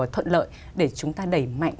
thuận lợi để chúng ta đẩy mạnh